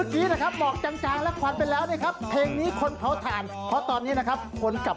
โปรดติดตามตอนต่อไป